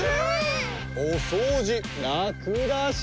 おそうじラクだし。